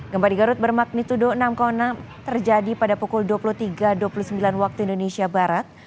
gempa di garut bermagnitudo enam enam terjadi pada pukul dua puluh tiga dua puluh sembilan waktu indonesia barat